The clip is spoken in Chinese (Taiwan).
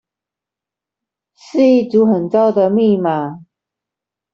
是一組很糟的密碼